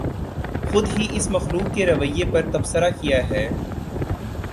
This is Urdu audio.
خود ہی اس مخلوق کے رویے پر تبصرہ کیاہے